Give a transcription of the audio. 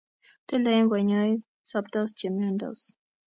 Toloen konyoik, sobtos che miandos